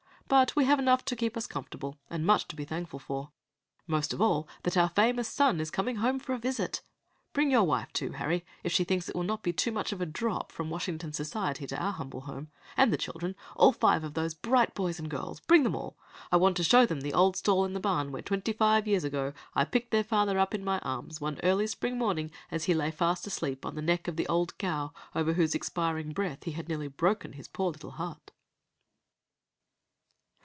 But we have enough to keep us comfortable, and much to be thankful for, most of all that our famous son is coming home for a visit. Bring your wife, too, Harry, if she thinks it will not be too much of a drop from Washington society to our humble home; and the children, all five of those bright boys and girls, bring them all! I want to show them the old stall in the barn, where, twenty five years ago, I picked their father up in my arms early one spring morning as he lay fast asleep on the neck of the old cow over whose expiring breath he had nearly broken his poor little heart."